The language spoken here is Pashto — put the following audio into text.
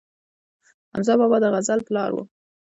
حمزه بابا د غزل پلار و